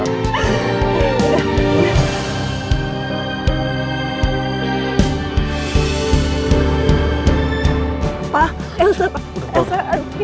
ini kenapa elsa